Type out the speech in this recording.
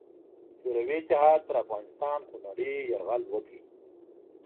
شوروي اتحاد پر افغانستان خونړې یرغل وکړ.